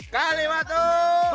kaliwatu berdoa semua